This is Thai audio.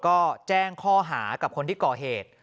ก็แจ้งข้อหากับคนที่ก่อเหตุ